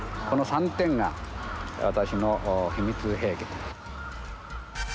この３点が私の秘密兵器と。